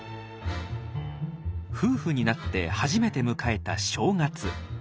夫婦になって初めて迎えた正月。